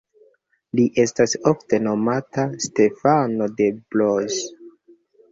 Li estas ofte nomata Stefano de Blois.